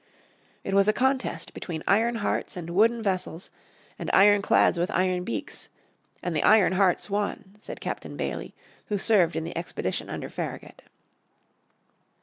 "It was a contest between iron hearts and wooden vessels, and iron clads with iron beaks, and the iron hearts won," said Captain Bailey who served in the expedition under Farragut.